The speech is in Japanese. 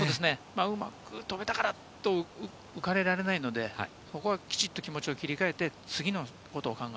うまく出たからと浮かれられないので、ここはきちんと気持ちを切り替えて、次のことを考え